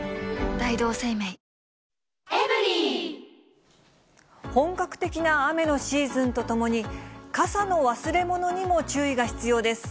わかるぞ本格的な雨のシーズンとともに、傘の忘れ物にも注意が必要です。